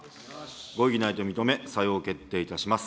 ご異議ないと認め、採用を決定いたします。